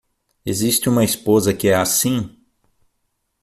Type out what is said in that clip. Existe uma esposa que é assim?